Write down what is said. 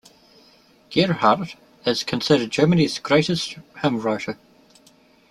Gerhardt is considered Germany's greatest hymn writer.